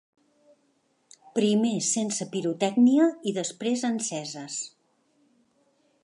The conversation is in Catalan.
Primer sense pirotècnia i després enceses.